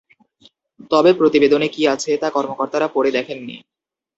তবে প্রতিবেদনে কী আছে, তা কর্মকর্তারা পড়ে দেখেননি।